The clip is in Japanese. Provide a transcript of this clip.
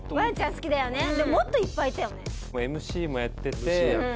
でももっといっぱいいたよね。